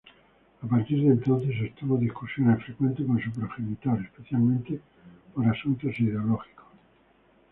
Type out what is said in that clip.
A partir de entonces sostuvo discusiones frecuentes con su progenitor, especialmente por asuntos ideológicos.